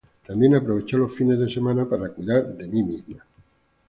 También aprovecho los fines de semana para cuidar de mí misma.